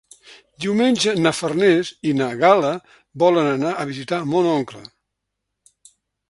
Diumenge na Farners i na Gal·la volen anar a visitar mon oncle.